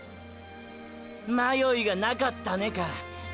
“迷いがなかったね”か。